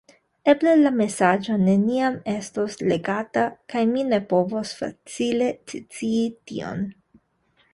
Eble la mesaĝo neniam estos legata, kaj mi ne povos facile scii tion.